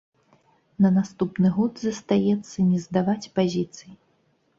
На наступны год застаецца не здаваць пазіцыі.